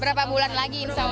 berapa bulan lagi insya allah